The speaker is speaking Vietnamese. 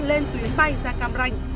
lên tuyến bay ra cam ranh